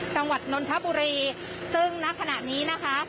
กลางวัดนทบุรีซึ่งนักขณะนี้นะคะ